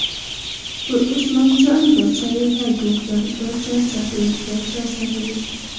پر عثمان جان باچا یې غږ وکړ: باچا صاحب، باچا صاحب.